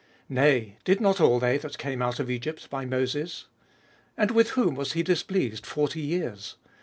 nay, did not all they that came out of Egypt by Moses P 17. And with whom was he displeased forty years